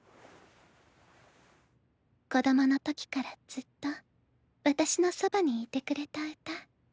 子どものときからずっと私のそばにいてくれた歌。